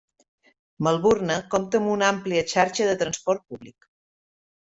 Melbourne compta amb una àmplia xarxa de transport públic.